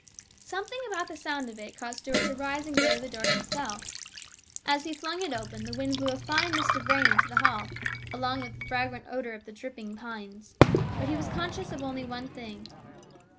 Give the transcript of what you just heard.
Something about the sound of it caused Stuart to rise and go to the door himself. As he flung it open, the wind blew a fine mist of rain into the hall, along with the fragrant odour of the dripping pines. But he was conscious of only one thing.